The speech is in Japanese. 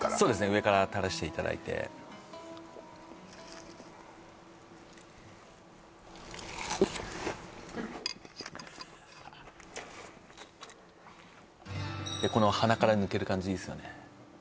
上からたらしていただいてでこの鼻から抜ける感じいいですよね